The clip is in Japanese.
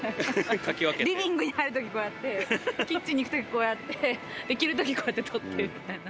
リビングに入る時こうやってキッチンに行く時こうやって着る時こうやって取ってみたいな。